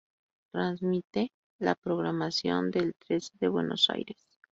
Retransmite la programación de eltrece de Buenos Aires.